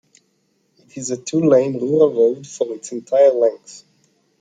It is a two-lane rural road for its entire length.